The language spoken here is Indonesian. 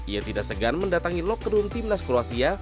ia tidak segan mendatangi lok kedun tim nas kroasia